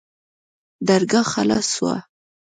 درګاه خلاصه سوه.